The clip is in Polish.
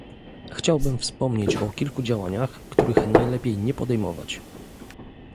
Chciałbym wspomnieć o kilku działaniach, których najlepiej nie podejmować